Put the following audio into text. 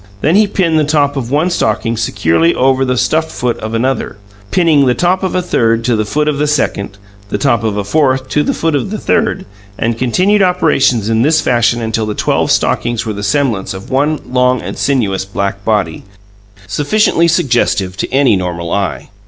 Then he pinned the top of one stocking securely over the stuffed foot of another, pinning the top of a third to the foot of the second, the top of a fourth to the foot of the third and continued operations in this fashion until the twelve stockings were the semblance of one long and sinuous black body, sufficiently suggestive to any normal eye.